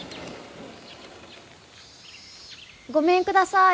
ごめんください。